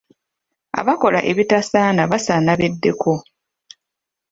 Abakola ebitasaana basaana beddeko.